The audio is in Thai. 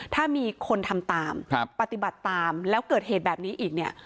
ถ้ามีคนทำตามปฏิบัติตามแล้วเกิดเหตุแบบนี้อีกเนี่ย